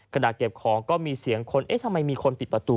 ขณะเก็บของก็มีเสียงคนเอ๊ะทำไมมีคนปิดประตู